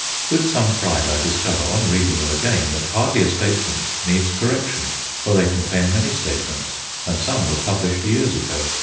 With some pride I discover, on reading them again, that hardly a statement needs correction, for they contain many statements, and some were published years ago.